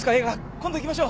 今度行きましょう。